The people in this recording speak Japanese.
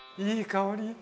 いい香り。